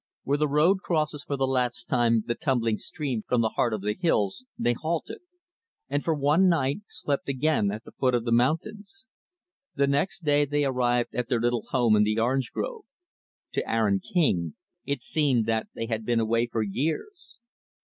Where the road crosses, for the last time, the tumbling stream from the heart of the hills, they halted; and for one night slept again at the foot of the mountains. The next day they arrived at their little home in the orange grove. To Aaron King, it seemed that they had been away for years.